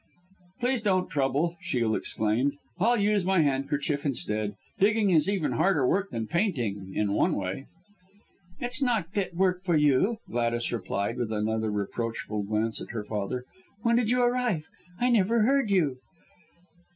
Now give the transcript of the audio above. "Please don't trouble," Shiel exclaimed, "I'll use my handkerchief instead. Digging is even harder work than painting in one way." "It's not fit work for you," Gladys replied with another reproachful glance at her father. "When did you arrive, I never heard you?"